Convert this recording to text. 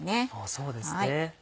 そうですね。